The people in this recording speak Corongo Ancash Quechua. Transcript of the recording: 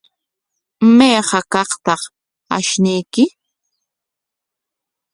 ¿Mayqa kaqtaq ashnuyki?